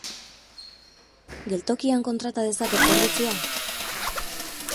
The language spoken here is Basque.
Geltokian kontrata dezaket zerbitzua?